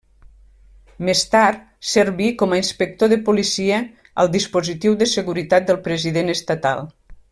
Més tard, serví com a inspector de policia al dispositiu de seguretat del president estatal.